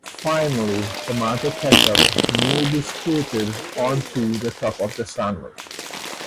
Finally, tomato ketchup may be squirted onto the top of the sandwich.